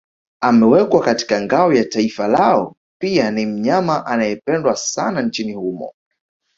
Amewekwa katika ngao ya taifa lao pia ni mnyama anayependwa sana nchini humo